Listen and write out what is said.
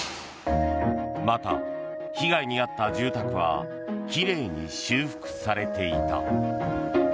また、被害に遭った住宅はきれいに修復されていた。